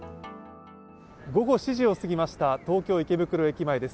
午後７時を過ぎました、東京・池袋駅前です。